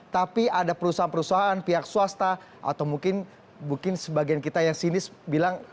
tapi ada perusahaan perusahaan pihak swasta atau mungkin sebagian kita yang sinis bilang